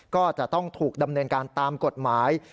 ก็จะต้องถูกดำเนินการตามกฎหมาย